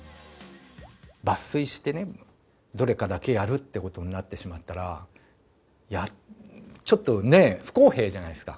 抜粋してね、どれかだけやるってことになってしまったら、ちょっとね、不公平じゃないですか。